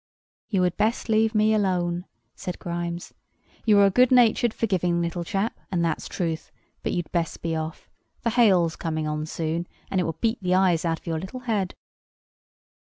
"You had best leave me alone," said Grimes; "you are a good natured forgiving little chap, and that's truth; but you'd best be off. The hail's coming on soon, and it will beat the eyes out of your little head."